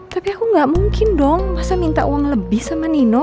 tapi aku gak mungkin dong masa minta uang lebih sama nino